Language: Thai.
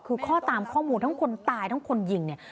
คือข้อตามข้อมูลทั้งคนตายทั้งคนยิงเนี่ย